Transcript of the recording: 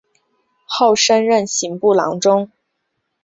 后升任刑部郎中。